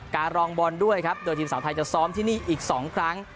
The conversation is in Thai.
การรองบอลด้วยครับโดยทีมสาวไทยจะซ้อมที่นี่อีก๒ครั้ง